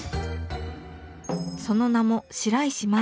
その名も白石舞。